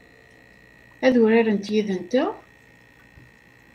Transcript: Ad urarent yid-nteɣ?